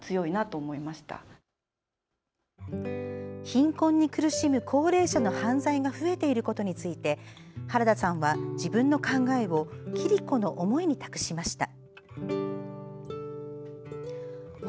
貧困に苦しむ高齢者の犯罪が増えていることについて原田さんは自分の考えを桐子の思いに託しました。